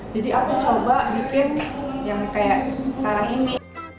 jadi aku coba bikin yang kayak sekarang ini